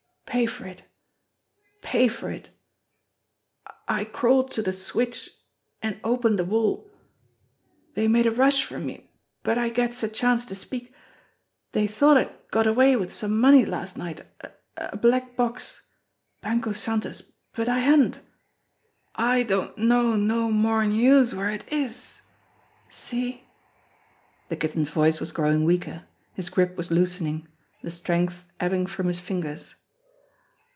pay for it pay for it. I crawled to de switch an' opened de wall. Dey made a rush for me, but I gets a chance to speak. Dey thought I'd got away wid some money last night a a black box Banco Santos but I hadn't I don't know no more'n youse where it is see ?" The Kitten's voice was growing weaker; his grip was loosening, the strength ebbing from his fingers.